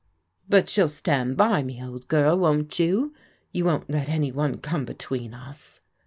" But you'll stand by me, old girl, won't you ? You won't let any one come between us?